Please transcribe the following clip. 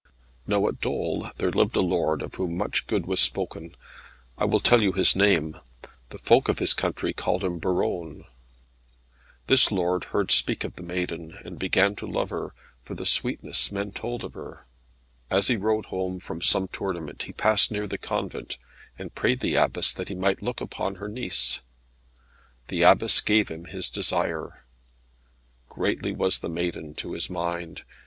Now at Dol there lived a lord of whom much good was spoken. I will tell you his name. The folk of his country called him Buron. This lord heard speak of the maiden, and began to love her, for the sweetness men told of her. As he rode home from some tournament, he passed near the convent, and prayed the Abbess that he might look upon her niece. The Abbess gave him his desire. Greatly was the maiden to his mind.